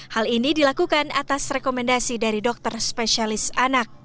hal ini dilakukan atas rekomendasi dari dokter spesialis anak